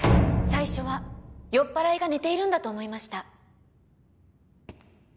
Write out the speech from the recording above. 最初は酔っぱらいが寝ているんだと思いました。